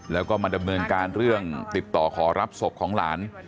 แล้วก็มาดำเนินการเรื่องติดต่อขอรับศพของหลาน